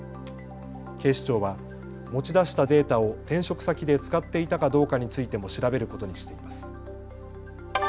警視庁は持ち出したデータを転職先で使っていたかどうかについても調べることにしています。